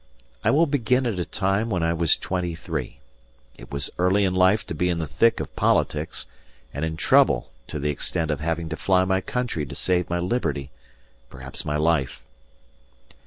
I will begin at a time when I was twenty three. It was early in life to be in the thick of politics, and in trouble to the extent of having to fly my country to save my liberty, perhaps my life.